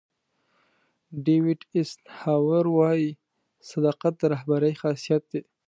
ډیوېټ ایسنهاور وایي صداقت د رهبرۍ خاصیت دی.